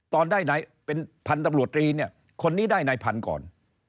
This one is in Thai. ตอนได้นายเป็นพันธุ์ตำรวจตรีเนี่ยคนนี้ได้นายพันธุ์ก่อน